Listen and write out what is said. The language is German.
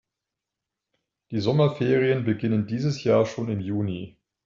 Die Sommerferien beginnen dieses Jahr schon im Juni.